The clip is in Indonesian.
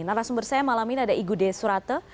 nah langsung bersama malam ini ada igu de surate